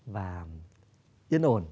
và yên ổn